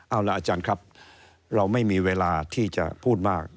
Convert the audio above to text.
เอาละอาจารย์ครับเราไม่มีเวลาที่จะพูดมาก